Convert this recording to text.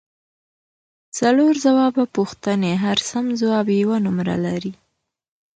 څلور ځوابه پوښتنې هر سم ځواب یوه نمره لري